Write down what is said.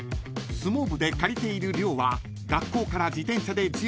［相撲部で借りている寮は］